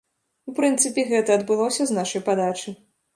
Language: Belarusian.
У прынцыпе, гэта адбылося з нашай падачы.